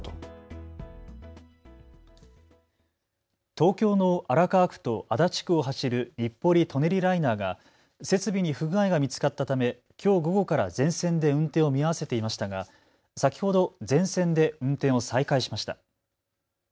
東京の荒川区と足立区を走る日暮里・舎人ライナーが設備に不具合が見つかったためきょう午後から全線で運転を見合わせていましたが先ほど全線で運転を再開しました。